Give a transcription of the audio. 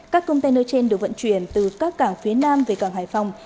các container trên được vận chuyển từ các cảng phía nam về cảng hải phòng